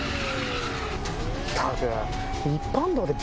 ったく！